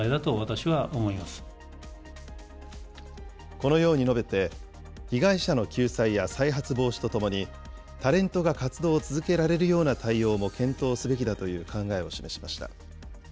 このように述べて、被害者の救済や再発防止とともに、タレントが活動を続けられるような対応も検討すべきだという考え